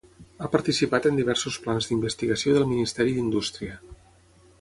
Ha participat en diversos plans d'investigació del Ministeri d'Indústria.